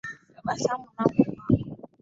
Tabasamu langu kwako.